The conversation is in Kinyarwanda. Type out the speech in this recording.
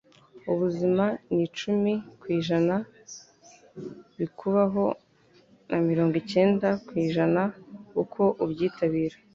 Ubuzima ni icumi ku ijana bikubaho na mirongo cyenda ku ijana uko ubyitabira.”